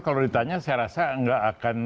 kalau ditanya saya rasa nggak akan